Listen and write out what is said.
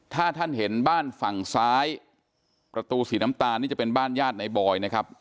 ถ้าท่านเห็นบ้านฝั่งซ้ายประตูสีน้ำตาลนี่จะเป็นบ้านญาติในบอยนะครับ